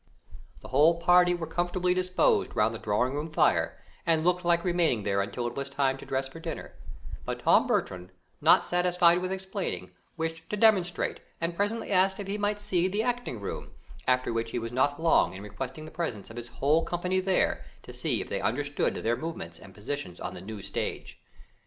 The whole party were comfortably disposed round the drawing room fire, and looked like remaining there until it was time to dress for dinner; but Tom Bertram, not satisfied with explaining, wished to demonstrate, and presently asked if he might see the acting room, after which he was not long in requesting the presence of his whole company there, to see if they understood their movements and positions on the new stage.